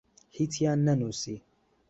هیچیان نەنووسی.